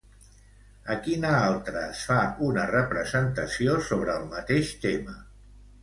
A quina altra es fa una representació sobre el mateix tema?